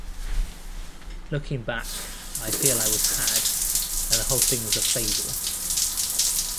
Looking back, I feel I was had and the whole thing was a fable.